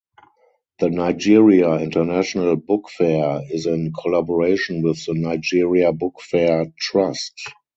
The Nigeria International Book Fair is in collaboration with the Nigeria Book Fair Trust.